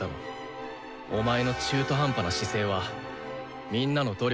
お前の中途半端な姿勢はみんなの努力の邪魔をする。